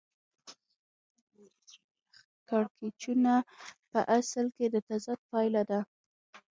کړکېچونه په اصل کې د تضاد پایله ده